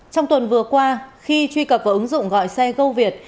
trong tuần vừa qua khi truy cập vào ứng dụng gọi xe gâu việt